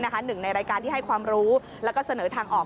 หนึ่งในรายการที่ให้ความรู้แล้วก็เสนอทางออก